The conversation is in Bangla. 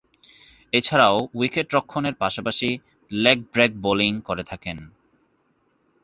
এছাড়াও উইকেট-রক্ষণের পাশাপাশি লেগ ব্রেক বোলিং করে থাকেন।